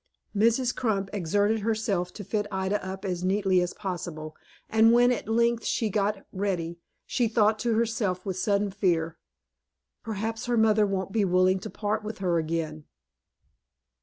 Mrs. Crump exerted herself to fit Ida up as neatly as possible, and when at length she was got ready, she thought to herself, with sudden fear, "Perhaps her mother won't be willing to part with her again."